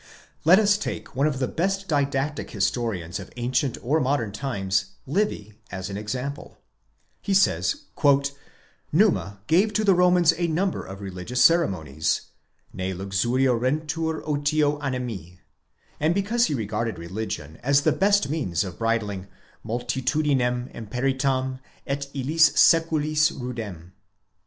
Let us take one of the best didactic historians of ancient or modern times, Livy, as an example, '"Numa," he says, "gave to the Romans a number of religious ceremonies, ne luxuriarentur otio animi, and because he regarded religion as the best means of bridling mu/titudinem imperitam et illis seculis rudem.